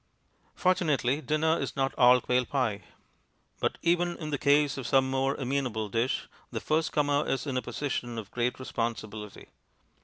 Fortunately, dinner is not all quail pie. But even in the case of some more amenable dish, the first comer is in a position of great responsibility.